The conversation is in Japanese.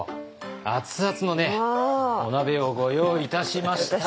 熱々のねお鍋をご用意いたしました。